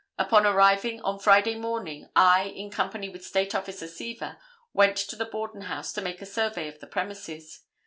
Upon arriving on Friday morning, I, in company with State Officer Seaver, went to the Borden house to make a survey of the premises.